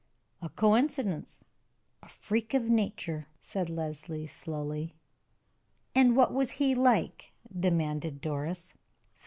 "A coincidence a freak of nature," said Leslie, slowly. "And what was he like?" demanded Doris.